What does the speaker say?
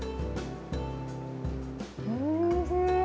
おいしい。